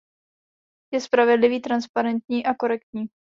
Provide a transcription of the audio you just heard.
Je spravedlivý, transparentní a korektní.